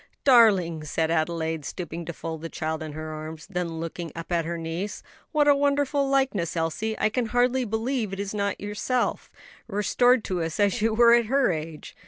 "Darling!" said Adelaide, stooping to fold the child in her arms; then looking up at her niece, "What a wonderful likeness, Elsie! I can hardly believe it is not yourself, restored to us as you were at her age."